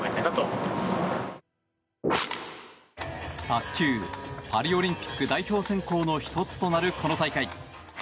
卓球、パリオリンピック代表選考の１つとなるこの大会。